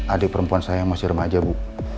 adik perempuan saya yang masih remaja bu